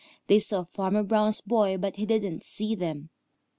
They saw Farmer Brown's boy, but he didn't see them.